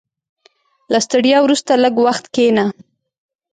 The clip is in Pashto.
• له ستړیا وروسته، لږ وخت کښېنه.